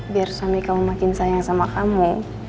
biar suami kamu makin sayang sama kamu